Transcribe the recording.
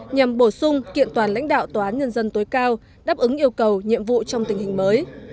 nhằm bổ sung kiện toàn lãnh đạo tòa án nhân dân tối cao đáp ứng yêu cầu nhiệm vụ trong tình hình mới